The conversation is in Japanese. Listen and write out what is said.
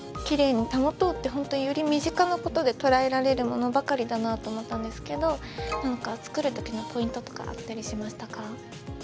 本当より身近なことで捉えられるものばかりだなと思ったんですけど何か作る時のポイントとかあったりしましたか？